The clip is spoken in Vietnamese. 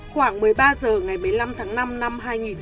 khoảng một mươi ba h ngày một mươi năm tháng năm năm hai nghìn một mươi ba